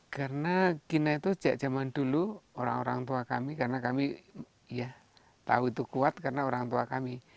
karena kina itu zaman dulu orang orang tua kami karena kami ya tahu itu kuat karena orang tua kami